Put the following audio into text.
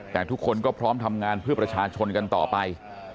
แต่ทุกคนก็พร้อมทำงานเพื่อประชาชนกันต่อไป